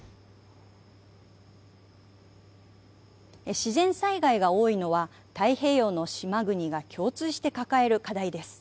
自然災害が多いのは太平洋の島国が共通して抱える課題です。